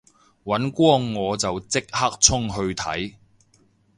尹光我就即刻衝去睇